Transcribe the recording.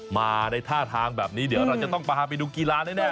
มาในท่าทางแบบนี้เดี๋ยวเราจะต้องปรากสาสาธุไปดูกีฬาแน่แน่